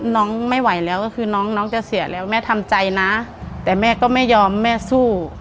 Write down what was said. น้องไม่ไหวแล้วก็คือน้องน้องจะเสียแล้วแม่ทำใจนะแต่แม่ก็ไม่ยอมแม่สู้